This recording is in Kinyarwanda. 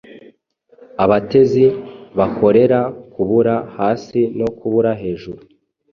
Abatezi bakorera kubura hasi no kubura hejuru,